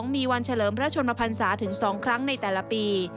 มีวันเฉลิมพระชนมพันศาถึง๒ครั้งในแต่ละปี